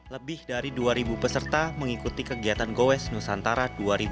lebih dari dua peserta mengikuti kegiatan goes nusantara dua ribu sembilan belas